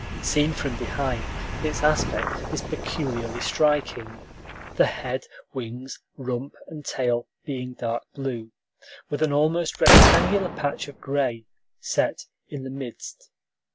Seen from behind, its aspect is peculiarly striking; the head, wings, rump, and tail being dark blue, with an almost rectangular patch of gray set in the midst.